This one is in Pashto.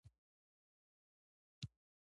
د قوي او ضعیفو ټکو تشخیص کیږي.